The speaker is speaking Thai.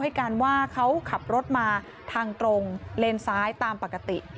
ให้การว่าเขาขับรถมาทางตรงเลนซ้ายตามปกติ